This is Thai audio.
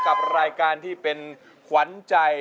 กับรายการที่เป็นขวัญใจ